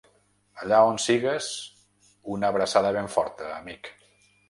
Allà on sigues, una abraçada ben forta, amic.